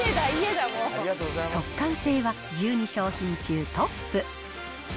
速乾性は１２商品中トップ。